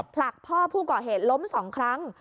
ผลักพ่อผู้ก่อเหตุล้ม๒ครั้ง